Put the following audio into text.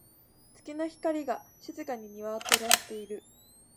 月の光が、静かに庭を照らしている。